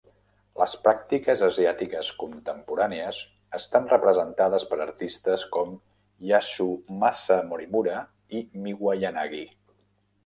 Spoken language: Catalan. Les pràctiques asiàtiques contemporànies estan representades per artistes com Yasumasa Morimura i Miwa Yanagi.